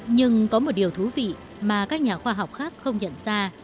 nhưng có một điều thú vị mà các nhà khoa học khác không nhận ra